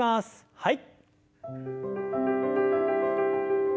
はい。